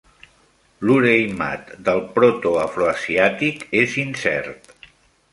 L'Urheimat del protoafroasiàtic és incert.